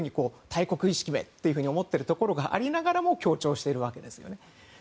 と大国意識めと思っているところがありながらも協調しているんです。